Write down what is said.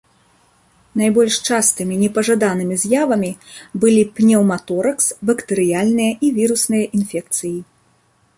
Найбольш частымі непажаданымі з'явамі былі пнеўматоракс, бактэрыяльныя і вірусныя інфекцыі.